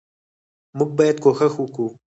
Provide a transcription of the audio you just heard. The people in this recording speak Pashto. موږ باید کوښښ وکو